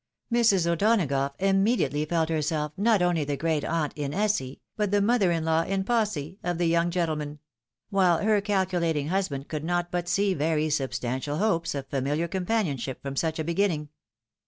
Mrs. O'Donagough immediately felt herself not only the great aunt in esse, but the mother in law in posse, of the young gentleman ; while her calculating husband could not but see very substantial hopes of familiar companionship from such a beginning.